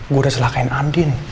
gua udah celakain andin